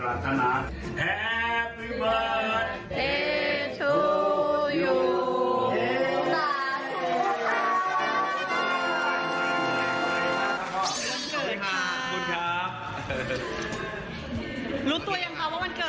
รู้ตัวยังคะว่าวันเกิด